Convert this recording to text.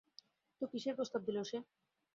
তো, কীসের প্রস্তাব দিল সে?